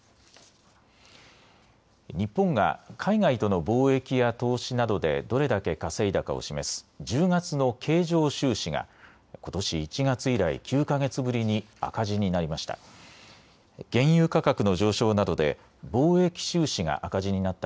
日本が海外との貿易や投資などでどれだけ稼いだかを示す１０月の経常収支がことし１月以来、９か月ぶりに赤字になりました。